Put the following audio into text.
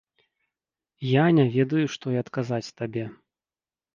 Я не ведаю, што і адказаць табе.